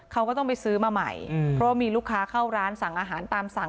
เขาก็ต้องไปซื้อมาใหม่เพราะว่ามีลูกค้าเข้าร้านสั่งอาหารตามสั่ง